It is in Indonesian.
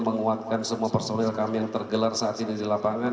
menguatkan semua personil kami yang tergelar saat ini di lapangan